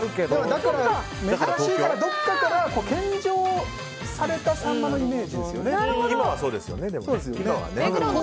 だから珍しいから、どこかから献上されたサンマのイメージですよね。